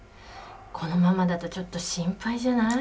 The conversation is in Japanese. このままだとちょっと心配じゃない？